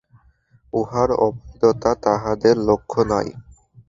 উহার অবৈধতা তাঁহাদের লক্ষ্য নয়।